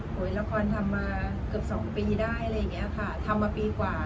ละครทำมาเกือบสองปีได้อะไรอย่างเงี้ยค่ะทำมาปีกว่า